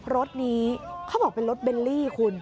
รถนี้เขาบอกเป็นรถเบลลี่คุณ